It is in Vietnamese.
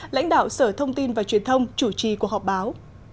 lãnh đạo sở thông tin và truyền thông chủ trì cuộc họp báo